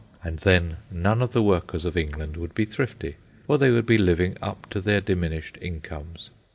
And then none of the workers of England would be thrifty, for they would be living up to their diminished incomes.